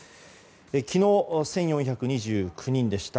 昨日、１４２９人でした。